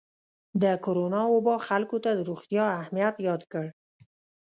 د کرونا وبا خلکو ته د روغتیا اهمیت یاد کړ.